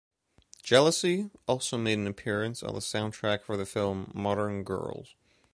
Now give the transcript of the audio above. "Jealousy" also made an appearance on the soundtrack for the film, "Modern Girls".